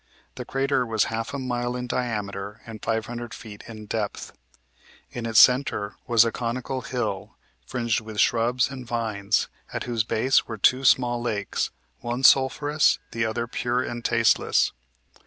The crater was half a mile in diameter and five hundred feet in depth. In its centre was a conical hill, fringed with shrubs and vines; at whose base were two small lakes, one sulphurous, the other pure and tasteless.